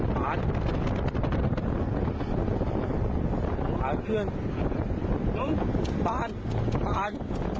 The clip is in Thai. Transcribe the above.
ผ่านเพื่อน